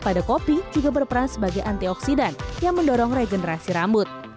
pada kopi juga berperan sebagai antioksidan yang mendorong regenerasi rambut